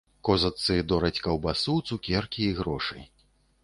Козачцы дораць каўбасу, цукеркі і грошы.